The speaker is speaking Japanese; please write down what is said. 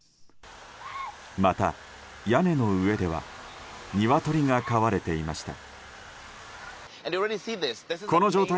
また、屋根の上ではニワトリが飼われていました。